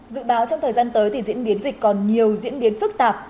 dự báo trong thời gian tới thì diễn biến dịch còn nhiều diễn biến phức tạp